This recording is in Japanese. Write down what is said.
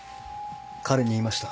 彼に言いました。